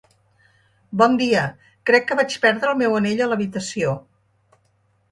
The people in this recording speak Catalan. Bon dia, crec que vaig perdre el meu anell a la habitació.